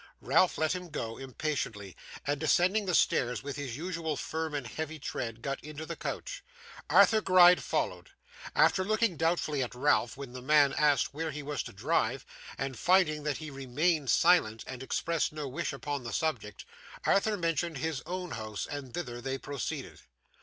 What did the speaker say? Ralph let him go impatiently, and descending the stairs with his usual firm and heavy tread, got into the coach. Arthur Gride followed. After looking doubtfully at Ralph when the man asked where he was to drive, and finding that he remained silent, and expressed no wish upon the subject, Arthur mentioned his own house, and thither they proceeded.